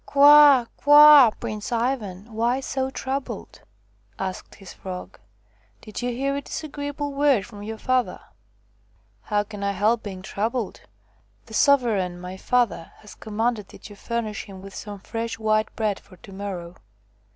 "Kwa! kwa! Prince Ivan, why so troubled V' asked his Frog. " Did you hear a disagreeable word from your father ?"" How can I help being troubled ? The sovereign, my father, has commanded that you furnish him with some fresh white bread for to morrow."